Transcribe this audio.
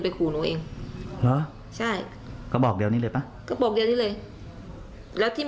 พี่ให้โอกาสมา๑๑ปีแล้วนะ